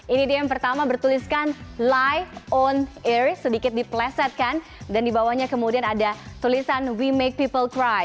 ini dia yang pertama bertuliskan lie on air sedikit dipelesetkan dan dibawahnya kemudian ada tulisan we make people cry